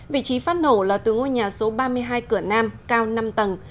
vị trí phát nổ là từ ngôi nhà số ba mươi hai cửa nam cao năm tầng